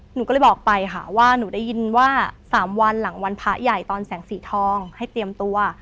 หนูก็เลยบอกไปค่ะว่าหนูได้ยินว่า๓วันหลังวันพระใหญ่ตอนแสงสีทองให้เตรียมตัว